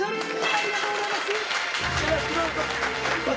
ありがとうございます！